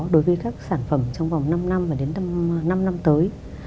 đối với các sản phẩm trong vòng năm năm và đến năm năm tới